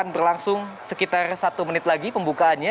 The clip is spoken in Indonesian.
berlangsung sekitar satu menit lagi pembukaannya